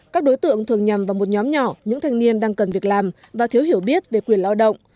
các đối tượng thường nhằm vào một nhóm nhỏ những thanh niên đang cần việc làm và thiếu hiểu biết về quyền lao động